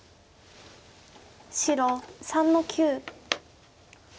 白３の九。